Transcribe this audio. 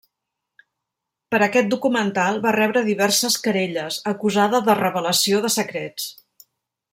Per aquest documental va rebre diverses querelles, acusada de revelació de secrets.